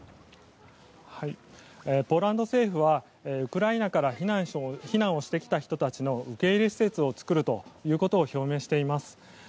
ポーランド政府はウクライナから避難をしてきた人たちの受け入れ施設を作るということを表明しています。